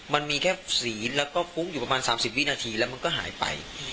มันมีแค่สีแล้วก็ฟุ้งอยู่ประมาณ๓๐วินาทีแล้วมันก็หายไป